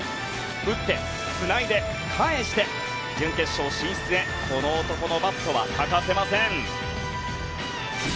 打ってつないで返して準決勝進出へこの男のバットは欠かせません。